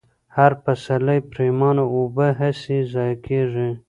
هر پسرلۍ پرېمانه اوبه هسې ضايع كېږي،